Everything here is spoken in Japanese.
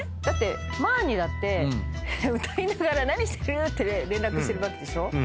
だってマーにだって歌いながら何してる？って連絡してるわけでしょ？